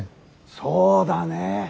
そうだねえ。